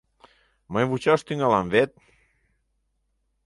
Мый вучаш тӱҥалам вет!